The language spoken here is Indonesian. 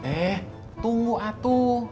eh tunggu atu